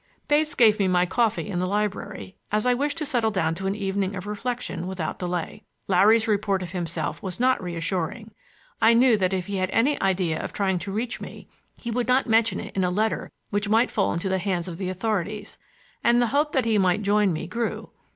Bates gave me my coffee in the library, as I wished to settle down to an evening of reflection without delay. Larry's report of himself was not reassuring. I knew that if he had any idea of trying to reach me he would not mention it in a letter which might fall into the hands of the authorities, and the hope that he might join me grew.